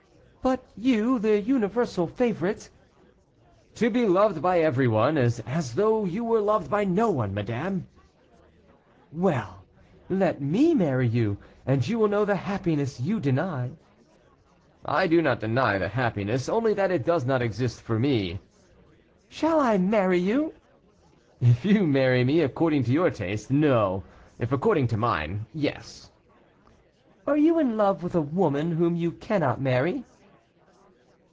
"But you, the universal favorite." "To be loved by everyone is as though you were loved by no one, madame." "Well, let me marry you, and you will know the happiness you deny." "I do not deny the happiness, only that it does not exist for me." "Shall I marry you?" "If you marry me according to your taste, no; if according to mine, yes." "Are you in love with a woman whom you cannot marry?"